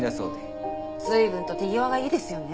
随分と手際がいいですよね。